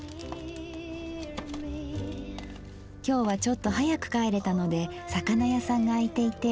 今日はちょっと早く帰れたので魚屋さんが開いていて。